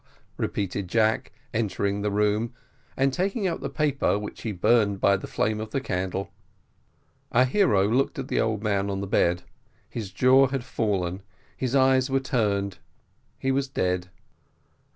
repeated Jack, entering the room, and taking up the paper, which he burned by the flame of the candle. Our hero looked at the old man on the bed; his jaw had fallen, his eyes were turned. He was dead.